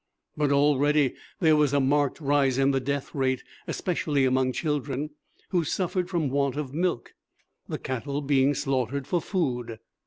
But already there was a marked rise in the death rate, especially among children, who suffered from want of milk, the cattle being slaughtered for food.